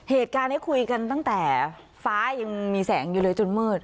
เหตุการณ์นี้คุยกันตั้งแต่ฟ้ายังมีแสงอยู่เลยจนมืด